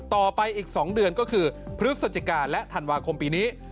ต่อไปอีก๒เดือนก็คือพฤศจิกาและธันวาคมปีนี้